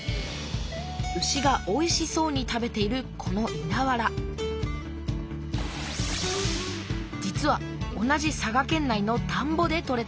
牛がおいしそうに食べているこのいなわら実は同じ佐賀県内のたんぼで取れたもの。